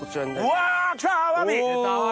うわきたアワビ！